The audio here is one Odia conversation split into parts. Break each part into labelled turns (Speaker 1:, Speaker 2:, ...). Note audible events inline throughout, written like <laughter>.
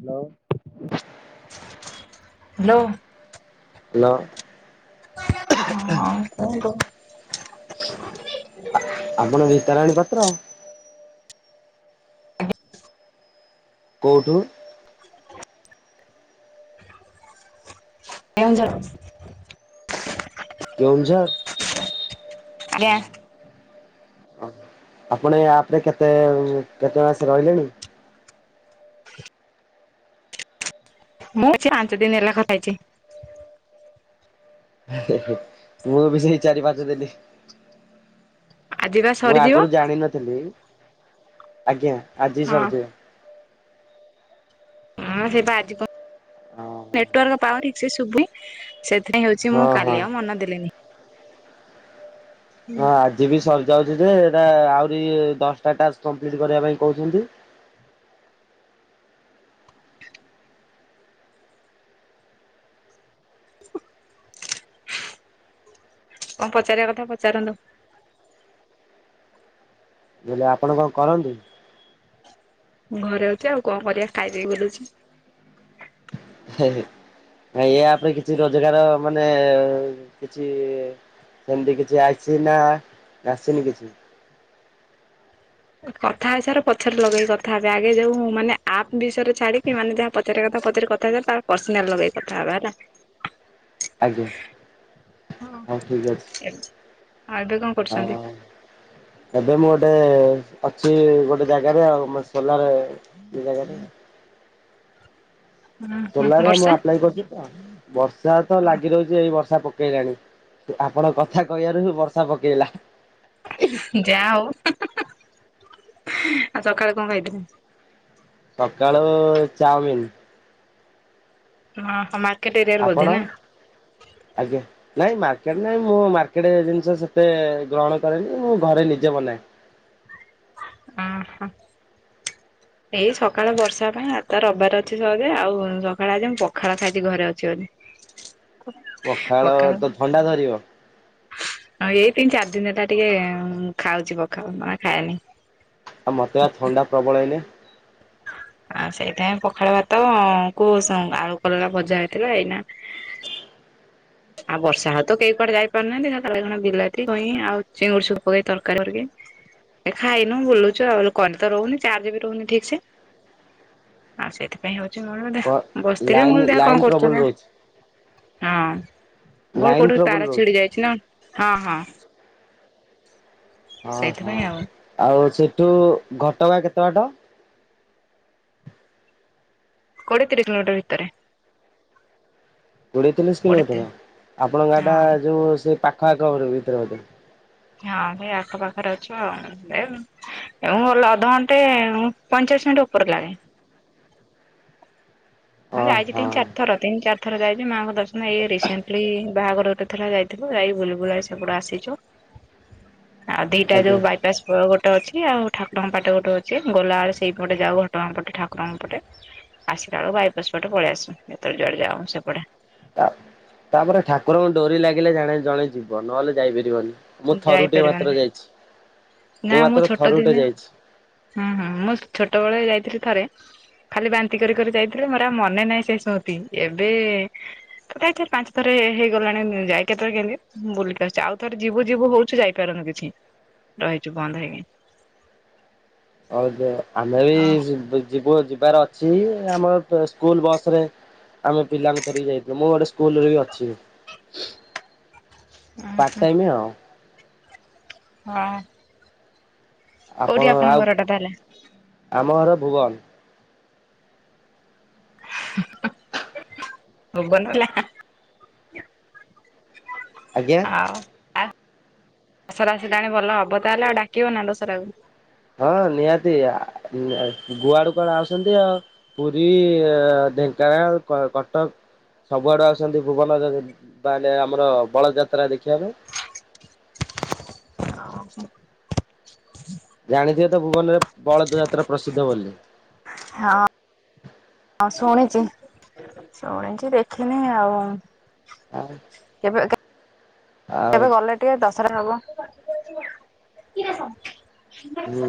Speaker 1: ହ୍ୟାଲୋ।
Speaker 2: ହାଲୋ।
Speaker 1: ଏଲୋ।
Speaker 2: ହଁ, କୁହନ୍ତୁ।
Speaker 1: ଆପଣ ରିତାରାଣୀ ପାତ୍ର? କୋଉଠୁ?
Speaker 2: କେଉଁଝର
Speaker 1: କେଉଁଝର୍?
Speaker 2: ଆଜ୍ଞା
Speaker 1: ଆପଣ ଏ ଆପ୍ ରେ କେତେ କେତେ ମାସ ରହିଲେଣି?
Speaker 2: ମୁଁ ଅଛି ପାଞ୍ଚ ଦିନ ହେଲା କଥା ହେଇଛି।
Speaker 1: ମୁଁ ବି ସେଇ ଚାରି ପାଞ୍ଚ ଦିନି
Speaker 2: ଆଜି ବା
Speaker 1: ମୁଁ
Speaker 2: ସରିଯିବ
Speaker 1: ଆଗରୁ ଜାଣିନଥିଲି ଆଜ୍ଞା, ଆଜି
Speaker 2: ହଁ।
Speaker 1: ସରିଯିବ।
Speaker 2: ହଁ ସେଇ ପା ଆଜିିପ
Speaker 1: ହଁ
Speaker 2: ନେଟୱାର୍କ ପାଉନି ଠିକ ସେ ଶୁଭୁନି। ସେଥିଇଁ ହୋଉଚି, ମୁଁ
Speaker 1: ହଁ।
Speaker 2: କାଲି ଆଉ ମନ ଦେଲିନି।
Speaker 1: ହଁ, ଆଜି ବି ସରିଯାଉଚି ଯେ ଏଟା ଆହୁରି ଦଶଟା ଟାକ୍ସ କମ୍ପ୍ଲିଟ କରିବା ପାଇଁ କହୁଛନ୍ତି।
Speaker 2: କଣ ପଚାରିବା କଥା ପଚାରନ୍ତୁ?
Speaker 1: ମୁଁ କହିଲି ଆପଣ କଣ କରନ୍ତି?
Speaker 2: ଘରେ ଅଛି ଆଉ କଣ କରିବା, ଖାଇଦେଇକି ବୁଲୁଚି।
Speaker 1: ଇୟାପରେ କିଛି ରୋଜଗାର ମାନେ କିଛି ସେମତି କିଛି ଆଇଚି ନା ଆସିନି କିଛି।
Speaker 2: କଥା ହେଇସାର ପଛରେ ଲଗେଇକି କଥା ହେବେ, ଆଗେ ଯୋଉ ମାନେ ଆପ୍ ବିଷୟରେ ଛାଡିକି ମାନେ ଯାହା ପଚାରିବା କଥା ପଚାରି କଥା ହେ ତାପରେ ପର୍ସନାଲ ଲଗେଇ କଥା ହବା ହେଲା।
Speaker 1: ହ। ଆଜ୍ଞା ହଁ ଠିକ ଅଛି
Speaker 2: ଆଉ ଏବେ କଣ କରୁଛନ୍ତି
Speaker 1: ହଁ। ଏବେ ମୁଁ ଗୋଟେ ଅଛି ଗୋଟେ ଜାଗାରେ ଆଉ ସୋଲାର ଏ ଜାଗାଟା ତୋଲା ମୁଁ
Speaker 2: ବର୍ଷା?
Speaker 1: ଆପ୍ଲାଏ କରୁଛି ତ ବର୍ଷା ତ ଲାଗି ରହୁଚି ଏଇ ବର୍ଷା ପ ପକେଇଲାଣି। ଆପଣ କଥା କହିବାରୁ ହିଁ ବର୍ଷା ପକେଇଲା।
Speaker 2: ଯାହା ହୋଉ, ଆଉ ସକାଳେ କଣ ଖାଇଥିଲେ?
Speaker 1: ସକାଳୁ ଚାଉମିିନ।
Speaker 2: ହଁ, ସମା
Speaker 1: ଆପଣ? ଆଜ୍ଞା। ନାଇଁ ମାର୍କେଟ ନାଇଁ ମୁଁ ମାର୍କେଟ ଜିନିଷ ସେତେ ଗ୍ରହଣ କରେନି ମୁଁ ଘରେ ନିଜେ ବନାଏ।
Speaker 2: ଓ ହୋ।
Speaker 1: <inaudible>
Speaker 2: ଏଇ ସକାଳ ବର୍ଷା ପାଇଁ ଆଜି ତ ରବିବାର ଅଛି ସହଜେ ଆଉ ସକାଳେ ଆଜି ମୁଁ ପଖାଳ ଖାଇଚି ଘରେ ଅଛି ବୋଲି।
Speaker 1: ପଖାଳ ତ ଥଣ୍ଡା ଧରିବ।
Speaker 2: ହଁ ଏଇ ତିନି ଚାରି ଦିନ ହେଲା ଟିକେ ଖାଉଚି ପଖାଳ ନ ଖାଏନି।
Speaker 1: ଆଉ ମୋତେ ପା ଥଣ୍ଡା ପ୍ରବଳ ଏଇନେ।
Speaker 2: ଆଉ ସେଇଥିାଇଁ ପଖାଳ ଭାତ କୁ ଆଳୁ କଲରା ଭଜା ହେଇଥିଲା, ଏଇନା ଆଉ ବର୍ଷା ହଉ ତ କେହି କୁଆଡ଼େ ଯାଇ ପାରୁନାହାନ୍ତି, ବାଇଗଣ ବିଲାତି କଁଇଆ ଆଉ ଚିଙ୍ଗୁଡିି ପକେଇ ତରକାରୀ କରି। ଏ ଖାଇନୁ ବୁଲୁଚ କରେଣ୍ଟ ତ ରହୁନି ଚାର୍ଜ ବି ରହୁନି ଠିକ୍ ସେ। ଆଉ ସେଥିପାଇଁ ହୋଉଚି, ମୁଁ ଦେ
Speaker 1: କ
Speaker 2: ବସିଥିଲି ମୁଁ
Speaker 1: ଲାଇନ
Speaker 2: କହିଲି ଦେଖିବା
Speaker 1: ଲାଇନ
Speaker 2: କଣ
Speaker 1: ଟ୍ରବୁଲ ରହୁଛି
Speaker 2: କରୁଛନ୍ତି ହିଁ। ମୋର
Speaker 1: ଲାଇନ
Speaker 2: କୋଉଠି
Speaker 1: ଟ୍ରବୁଲ
Speaker 2: ତାରା
Speaker 1: ରହୁଛି।
Speaker 2: ଛିଡି ଯାଇଚି ନା ହଁ ହଁ
Speaker 1: ହଁ, ହଁ,
Speaker 2: ସେଇଥିପାଇଁ ଆଉ
Speaker 1: ଆଉ ସେଠୁ ଘଟଗାଁ କେତେ ବାଟ?
Speaker 2: କୋଡ଼ିଏ ତିରିଶି କିଲୋମିଟର ଭିତରେ।
Speaker 1: କୋଡ଼ିଏ ତିରିଶ
Speaker 2: କୋଡିଏ
Speaker 1: କିଲୋମିଟର
Speaker 2: ତିରି
Speaker 1: ଆପଣ ଗାଁ ଟା
Speaker 2: ହଁ
Speaker 1: ଯୋଉ ସେଇ ପାଖ ଆଖ ଭିତରେ <unintelligible>
Speaker 2: ହଁ ଭାଇ ଆଖପାଖରେ ଅଛୁ ଆଉ। ମୁଁ <unintelligible> ଅଧଘଣ୍ଟେ ପଇଁଚାଳିଶ ମିନିଟ୍ ଓପରେ ଲାଗେ। ହଁ ଯାଇଚି,
Speaker 1: ଓହୋ
Speaker 2: ତିନି ଚାରି ଥର ତିନି ଚାର ଥର ଯାଇଚି, ମାଆଙ୍କ ଦର୍ଶନ ଏଇ ରିସେଣ୍ଟଲି ବାହାଘର ଏଥର ଯାଇଥିଲି ଯାଇ ବୁଲି ବୁଲା ସେପଟେ ଆସିଚୁ।
Speaker 1: ହଁ <unintelligible>
Speaker 2: ଆଉ ଦିଟା ଯୋଉ ବା ଯାଜପୁର ଗୋଟେ ଅଛି, ଆଉ ଠାକୁରଙ୍କ ପାଖେ ଗୋଟେ ଅଛି ଗଲାବେଳେ ସେଇପଟେ ଯାଉ ଘଟଗା ପଟେ ଠାକୁରଙ୍କ ପଟେ। ଆସିଲା ବେଳକୁ ବାଇପାସ ପଟେ ପଳେଇ ଆସୁ ଯେତେବେଳେ ଜୋଉଆଡେ ଯାଉଁ ସେପଟେ।
Speaker 1: ତାପରେ ଠାକୁରଙ୍କ ଡୋରି ଲାଗିଲେ ଜାଣେ ଜଣେ ଯିବ ନହେଲେ ଯାଇପାରିବନି। ମୁଁ ଥରୁଟେ
Speaker 2: ଯାଇପାରିବାନି
Speaker 1: ମାତ୍ର ଯାଇଚି
Speaker 2: ନା
Speaker 1: ମୁଁ ମାତ୍ର
Speaker 2: ଛୋଟ
Speaker 1: ଥରୁଟେ
Speaker 2: ଦିନେ
Speaker 1: ଯାଇଚି।
Speaker 2: ହୁଁ ହୁଁ ମୁଁ ଛୋଟବେଳେ ଯାଇଥିଲି ଥରେ। ଖାଲି ବାନ୍ତି କରି କରି ଯାଇଥିଲି ମୋର ଆଉ ମନେ ନାହିଁ ସେ ସ୍ମୃତି ଏବେ ଥରେ କି ପାଞ୍ଚ ଥରେ ହେଇଗଲାଣି ଯାଇ କେତେବେଳେ କେମିତି ବୁଲିକି <unintelligible> ଆଉ ଥରେ ଯିବୁ ଯିବୁ ହଉଛୁ ଯାଇପାରୁନୁ କିଛି, ରହିଛୁ ବନ୍ଦ ହେଇକି।
Speaker 1: ହଉ ସେ ଆମେ ବି
Speaker 2: ଅ
Speaker 1: ଯିବ-ଯିବୁ ଯିବାର ଅଛି, ଆମର ତ ସ୍କୁଲ ବସରେ ଆମେ ପିଲାଙ୍କୁ ଧରିକି ଯାଇଥାଉ, ମୁଁ ଗୋଟେ ସ୍କୁଲରେ ବି ଅଛି।
Speaker 2: ଓହୋ
Speaker 1: ପାର୍ଟ ଟାଇମ୍ ଆଉ।
Speaker 2: ହଁ। କୋଉଠି
Speaker 1: ଆପଣଙ୍କର
Speaker 2: ଆପଣଙ୍କ
Speaker 1: ଆଉ,
Speaker 2: ଘରଟା ତାହେଲେ
Speaker 1: ଆମ ଘର ଭୁବନ।
Speaker 2: କଣ କହିଲ?
Speaker 1: ଆଜ୍ଞା?
Speaker 2: ଆ ଦଶହରା ଆସିଲାଣି ଭଲ ହବ ତାହେଲେ ଆଉ। ଡାକିବ ନା ଦଶରାକୁ?
Speaker 1: ହଁ ନିହାତି। ଆ- ନି କୁଆଡୁ କୁଆଡୁ ଆଉସନ୍ତି ଆଉ। ପୁରୀ, ଆ ଢେଙ୍କାନାଳ, କ-କଟକ। ସବୁଆଡୁ ଆଉଛନ୍ତି ଭୁବନରେ ମାନେ ଆମର ବଳଦଯାତ୍ରା ଦେଖିବା ପାଇଁ।
Speaker 2: ହଁ।
Speaker 1: ଜାଣିଥିବେ ତ ଭୁବନରେ ବଳଦ ଯାତ୍ରା ପ୍ରସିଦ୍ଧ ବୋଲି।
Speaker 2: ହଁ। ହଁ ଶୁଣିଚି, ଶୁଣିଛି ଦେଖିନେଇ ଆଉ।
Speaker 1: ଆଁ
Speaker 2: ଏବେ ଗଲେ ଟିକେ ଦଶରା ହବ।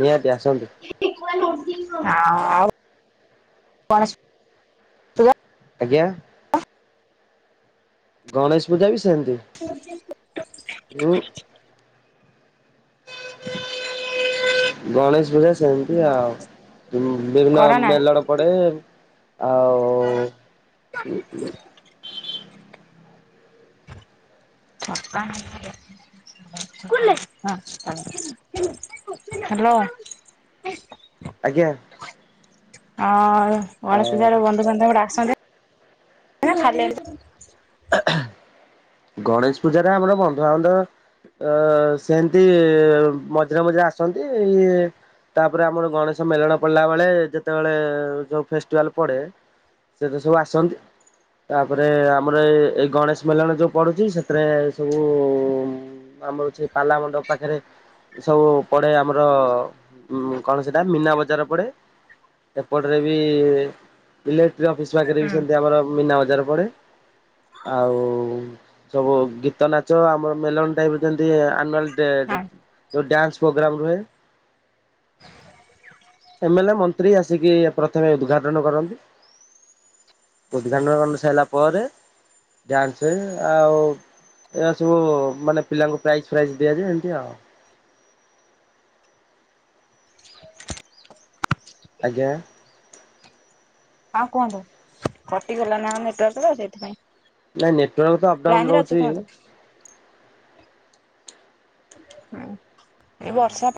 Speaker 1: ନିହାତି ଆସନ୍ତୁ
Speaker 2: ଆ-ଆଉ ପାସ୍
Speaker 1: ଆଜ୍ଞା ଗଣେଶ ପୂଜା ବି ସେମତି।
Speaker 2: <unintelligible>
Speaker 1: ମୁଁ ଗଣେଶ ପୂଜା ସେମତି ଆଉ। ଉମ୍ ବିଭିନ୍ନ
Speaker 2: କରନା
Speaker 1: ମେଲଣ ପଡେ ଆଉ
Speaker 2: <unintelligible> <unintelligible> ର।
Speaker 1: ଆଜ୍ଞା।
Speaker 2: ହଁ ଗଣେଶ
Speaker 1: ଆଉ
Speaker 2: ପୂଜାରେ ବନ୍ଧୁବାନ୍ଧବ ଡାକୁସନ୍ତି ନା, ଖାଲି
Speaker 1: <inaudible> ଗଣେଶ ପୂଜାରେ ଆମର ବନ୍ଧୁଆବାନ୍ଧବ ଅ ସେନ୍ତି ମଝିରେ ମଝିରେ ଆସନ୍ତି, ଇଏ ତାପରେ ଆମର ଗଣେଶ ମେଲଣ ପଡିଲା ବେଳେ ଯେତେବେଳେ ଯୋଉ ଫେଷ୍ଟିଭାଲ ପଡେ ସେଇଥିରେ ସବୁ ଆସନ୍ତି, ତାପରେ ଆମର ଏ-ଏଇ ଗଣେଶ ମେଲଣ ଯୋଉ ପଡୁଛି, ସେଥିରେ ସବୁ ଉମ୍ ଆମର ସେ ପାଲା ମଣ୍ଡପ ପାଖରେ ସବୁ ପଡେ ଆମର ଉମ୍ କଣ ସେଇଟା, ମୀନା ବଜାର ପଡ଼େ। ଏପଟରେ ବି ଇଲେକ୍ଟ୍ରିକ୍ ଅଫିସ୍ ପାଖରେ ବି ସେମତି ଆମର ମୀନା ବଜାର ପଡ଼େ। ଆଉ ସବୁ ଗୀତ, ନାଚ ଆମର ମେଲଣ ଟାଇପର ଯେମତି ଅନୁଆଲ୍ ଡେରେ
Speaker 2: ହଁ
Speaker 1: ଯୋଉ ଡ୍ୟାନ୍ସ ପ୍ରୋଗ୍ରାମ ରୁହେ
Speaker 2: <inaudible>
Speaker 1: ଏମେ ଲେ ଏ ମନ୍ତ୍ରୀ ଆସିକି ପ୍ରଥମେ ଉଦ୍ଘାଟନ କରନ୍ତି। ଉଦ୍ଘାଟନ ହେଇସାରିଲା ପରେ ଡ୍ୟାନ୍ସ ଆଉ ଏହା ସବୁ ମାନେ ପିଲାଙ୍କୁ ପ୍ରାଇଜ ଫ୍ରାଇଜ୍ ଦିଆଯାଏ, ଏମିତି ଆଉ।
Speaker 2: <inaudible>
Speaker 1: ଆଜ୍ଞା?
Speaker 2: ହଁ କୁହନ୍ତୁ କଟିଗଲା ନା କଣ ନେଟୱାର୍କ ତ ସେଇଥିପାଇଁ।
Speaker 1: ନାଇଁ ନେଟୱାର୍କ ତ
Speaker 2: ଲାଇନ
Speaker 1: ଅପଡାଉନ
Speaker 2: ରେ ଅଛି
Speaker 1: ରହୁଛି।
Speaker 2: କୁହନ୍ତୁ ହୁଁ ଏ ବର୍ଷା।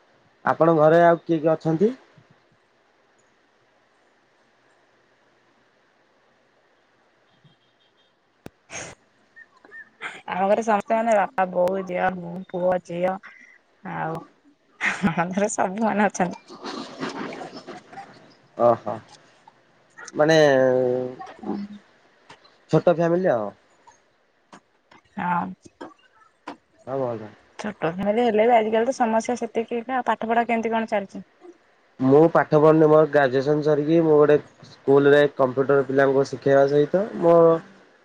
Speaker 1: ଆପଣଙ୍କ ଘରେ ଆଉ କିଏ କିଏ ଅଛନ୍ତି?
Speaker 2: ଆମ ଘରେ ସମସ୍ତେ ମାନେ ବାପା ବୋଉ ଝିଅ ମୁଁ ପୁଅ ଝିଅ। ଆଉ ହାଁ ଆମଘରେ ସବୁ ମନେ ଅଛନ୍ତି।
Speaker 1: ଓହୋ ମାନେ।
Speaker 2: ଉଁ।
Speaker 1: ଛୋଟ ଫ୍ୟାମିଲି ଆଉ।
Speaker 2: ହଁ।
Speaker 1: ଆଉ ଭଲ।
Speaker 2: ଛୋଟ ଫ୍ୟାମିଲି ହେଲେ ବି ଆଜିକାଲି ତ ସମସ୍ୟା ସେତିକି ନା। ପାଠପଢା କେମିତି କଣ ଚାଲିଛି?
Speaker 1: ମୁଁ ପାଠ ପଢୁନି ମୋର ଗ୍ରାଜୁଏସନ ସରିକି ମୁଁ ଗୋଟେ ସ୍କୁଲ୍ରେ କମ୍ପ୍ୟୁଟର୍ ପିଲାଙ୍କୁ ଶିଖାଇବା ସହିତ ମୋ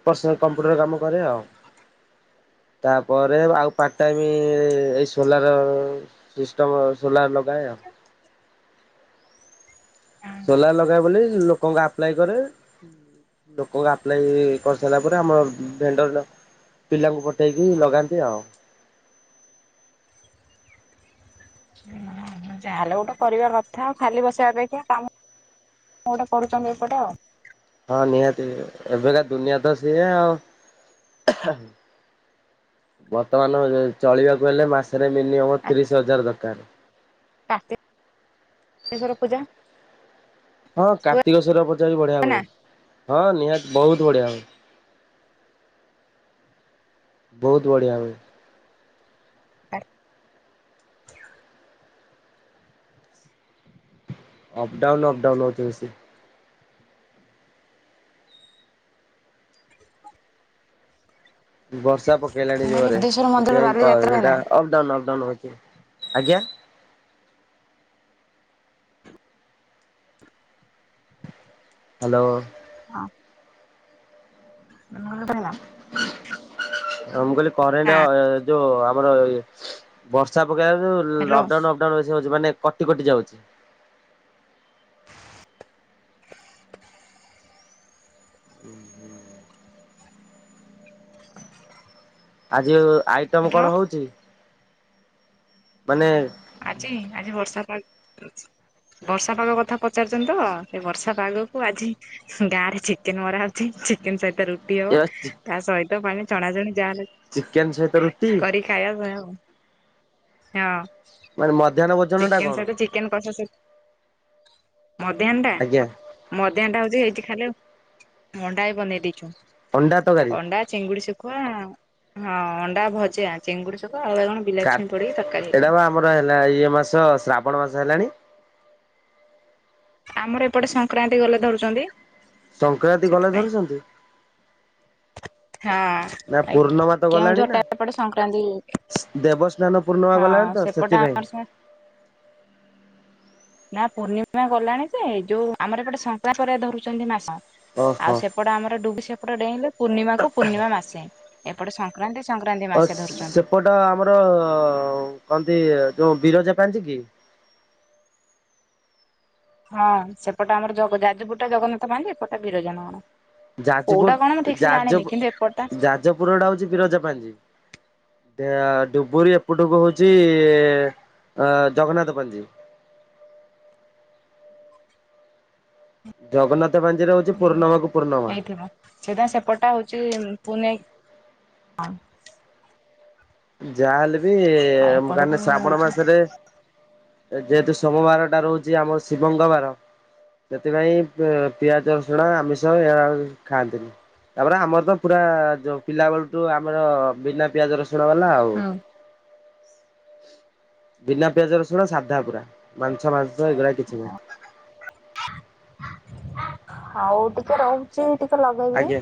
Speaker 1: ପର୍ସନାଲ କମ୍ପ୍ୟୁଟର କାମ କରେ ଆଉ। ତାପରେ ଆଉ ପାଟ ଟାଇମ୍ ଏଇ ସୋଲାର। ସିଷ୍ଟମ ସୋଲାର ଲଗାଏ ଆଉ। ସୋଲାର ଲଗାଏ ବୋଲି ଲୋକଙ୍କ ଆପ୍ଲାଏ କରେ। ଲୋକଙ୍କ ଆପ୍ଲାଇ କରିସାରିଲା ପରେ ଆମର ଭେଣ୍ଡର ପିଲାଙ୍କୁ ପଠେଇକି ଲଗାନ୍ତି ଆଉ।
Speaker 2: <inaudible> ଯା ହେଲେ ଗୋଟେ କରିବା କଥା ଆଉ ଖାଲି ବସିବା ଅପେକ୍ଷା କାମ ଗୋଟେ କରୁଛନ୍ତି ଏପଟେ ଆଉ।
Speaker 1: ହଁ ନିହାତି ଏବେକା ଦୁନିଆ ତ ସେଇଆ ଆଉ। ବର୍ତ୍ତମାନ ଏ ଯୋଉ ଚଳିବାକୁ ହେଲେ ମାସରେ ମିନୀମମ ତିରିଶ ହଜାର ଦରକାର।
Speaker 2: କାର୍ତ୍ତିକେଶ୍ୱର ପୂଜା।
Speaker 1: ହଁ
Speaker 2: ହୁଏ
Speaker 1: କାର୍ତ୍ତିକେଶ୍ୱର ପୂଜା ବି ବଢ଼ିଆ ହୁଏ
Speaker 2: ନା ମୁଁ
Speaker 1: ହଁ ନିହାତି ବହୁତ୍ ବଢ଼ିଆ ହୁଏ। ବହୁତ ବଢିଆ ହୁଏ।
Speaker 2: <unintelligible>
Speaker 1: ଅପ୍ ଡାଉନ୍ ଅପ୍ ଡାଉନ୍ ହଉଚି ବେଶି। ବର୍ଷା ପକେଇଲାଣି
Speaker 2: କହିଲି
Speaker 1: ଜୋରେ
Speaker 2: ବୁଦ୍ଧେଶ୍ୱର ମନ୍ଦିର
Speaker 1: ସେଥିପାଇଁ କ
Speaker 2: ବାଲିଯାତ୍ରା ହୁଏ ନା
Speaker 1: ଇଏଟା ଅପ୍ ଡାଉନ୍ ଅପ୍ ଡାଉନ୍ ହଉଚି ଆଜ୍ଞା। ହା ଲୋ।
Speaker 2: ହଁ। <unintelligible>
Speaker 1: ହଁ ମୁଁ କହିଲି କରେଣ୍ଟ ଅ ଏ ଯୋ ଅପ୍ ଆମର ଏ ବର୍ଷା ପକେଇଲାନି
Speaker 2: hello
Speaker 1: up down up down ବେଶୀ ହଉଚି ମାନେ କଟି କଟି ଯାଉଚି। ହୁଁ ହୁଁ <unintelligible> ଆଜି ଉ-ଆଇଟମ୍
Speaker 2: ହ୍ୟାଲୋ
Speaker 1: କଣ ହଉଚି? ମାନେ
Speaker 2: ଆଜି- ଆଜି ବର୍ଷା ପାଗ ହଉଚି। ବର୍ଷା ପାଗ କଥା ପଚାରୁଛନ୍ତି ତ ସେ ବର୍ଷା ପାଗକୁ ଆଜି ଗାଁ ରେ ଚିକେନ ମରା ହଉଛି ଚିକେନ ସହିତ ରୁ ତେଣୁ
Speaker 1: ଏ
Speaker 2: ତା ସହିତ ମାନେ ଚଣା ଚଣି ଯାହେଲେ
Speaker 1: ଚିକେନ୍ ସହିତ ରୁଟି?
Speaker 2: ଖାଇବା <unintelligible> ହଁ
Speaker 1: ମାନେ ମଧ୍ୟାହ୍ନ ଭୋଜନ ଟା
Speaker 2: ଚିକେନ
Speaker 1: କଣ
Speaker 2: ସହିତ ଚିକେନ। ଚିକେନ କସା ସହିତ ମଧ୍ୟାନ ଟା
Speaker 1: ଆଜ୍ଞା
Speaker 2: ମଧାହ୍ନ ଟା ହେଇଛି ଖାଲି ମଣ୍ଡା ଏ ବନେଇ ଦେଉଛୁ।
Speaker 1: ଅଣ୍ଡା ତରକାରି।
Speaker 2: ଚିଙ୍ଗୁଡି ଶୁଖୁଆ ହଁ ଅଣ୍ଡା ଭଜା ଚିଙ୍ଗୁଡି ଶୁଖୁଆ ଆଉ କଣ?
Speaker 1: କା ଏଇଟା ବା ଆମର ହେଲା ଇଏ ମାସ ଶ୍ରାବଣ ମାସ ହେଲାଣି।
Speaker 2: ଆମର ଏପଟେ ସଂକ୍ରାନ୍ତି ଗଲେ ଧରୁଚନ୍ତି।
Speaker 1: ସଂକ୍ରାନ୍ତି ଗଲେ ଧରୁଛନ୍ତି।
Speaker 2: ହଁ
Speaker 1: ନା
Speaker 2: ଆଜ୍ଞା
Speaker 1: ପୂର୍ଣ୍ଣମା ତ ଗଲାଣି
Speaker 2: କେଉଁଝର
Speaker 1: ନା
Speaker 2: ଟା ଏପଟେ ସଂକ୍ରାନ୍ତି
Speaker 1: ଦେବସ୍ନାନ ପୂର୍ଣ୍ଣିମା
Speaker 2: ହଁ
Speaker 1: ଗଲାଣି ତ
Speaker 2: ସେପଟେ
Speaker 1: ସେଥିପାଇଁ।
Speaker 2: ଆମର ସେ ନା ପୂର୍ଣ୍ଣିମା ଗଲାଣି ସେ ଯୋଉ ଆମର ଏପଟେ ସଂକ୍ରାନ୍ତି ପରେ ଧରୁଛନ୍ତି ମାସ।
Speaker 1: ଓହୋ।
Speaker 2: ଆଉ ସେପଟ ଆମର ଡୁବୁରୀ ସେପଟ ଡେଇଁଲେ ପୂର୍ଣିମାକୁ ପୂର୍ଣ୍ଣିମା ମାସେ। ଏପଟେ ସଂକ୍ରାନ୍ତି ସଂକ୍ରାନ୍ତି ମାସେ ଧରୁଛନ୍ତି।
Speaker 1: ଏଇତ ଆମର କହନ୍ତି ଯୋଉ ବିରଜା ପାଞ୍ଜି କି
Speaker 2: ହଁ ସେପଟ ଆମର ଜଗ ଯାଜପୁରଟା ଜଗନ୍ନାଥ ପାଞ୍ଜି ଏପଟ ଟା ବିରଜା ନା କଣ।
Speaker 1: ଯାଜପୁର
Speaker 2: କୋଉଟା କଣ ମୁଁ ଠିକ ସେ ଜାଣିନି
Speaker 1: ଯାଜପୁ
Speaker 2: କିନ୍ତୁ ଏପଟ ଟା।
Speaker 1: ଯାଜପୁରଟା ହଉଛି ବିରଜା ପାାଞ୍ଜି ଡେ ଆ ଡୁବରି। ଏପଟୁକୁ ହଉଛି ଏ ଆ ଜଗନ୍ନାଥ ପାଞ୍ଜି। ଜଗନ୍ନାଥ ପାଞ୍ଜିରେ ହଉଛି ପୂର୍ଣ୍ଣମା କୁ ପୂର୍ଣ୍ଣିମା।
Speaker 2: ସେଟା ସେପଟା ହଉଛି ପୁନେଇଁ ହଁ
Speaker 1: ଯା ହେଲେ ବି ମୁ ଗା
Speaker 2: ଏପଟକୁ
Speaker 1: ନେ ଶ୍ରାବଣ
Speaker 2: ହଉଛି
Speaker 1: ମାସରେ। ଯେହେତୁ ସୋମବାର ଟା ରହୁଛି ଆମର ଶିବଙ୍ଗ ବାର। ସେଥିପାଇଁ ପି-ପିଆଜ ରସୁଣ ଆମିଷ ଏରା ଖାଆନ୍ତିନି। ତାପରେ ଆମର ତ ପୁରା ଯୋଉ ପିଲା ବେଳୁଠୁ ଆମର ବିନା ପିଆଜ ରସୁଣ ବାଲା ଆଉ।
Speaker 2: ହୁଁ।
Speaker 1: ବିନା ପିଆଜ ରସୁଣ ସାଧା ପୁରା ମାଂସ -ମାଂସ ଏଗୁାର କିଛି ନାହିଁ।
Speaker 2: <unintelligible> ଆଉ ଟିକେ ରହୁଛି ଟିକେ ଲଗେଇବି।
Speaker 1: ଆଜ୍ଞା।